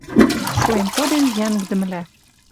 Шуэн коден йӓнгдӹмлӓ...